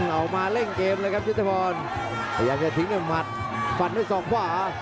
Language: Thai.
เอามาเร่งเกมเลยครับยุทธพรพยายามจะทิ้งด้วยหมัดฟันด้วยศอกขวา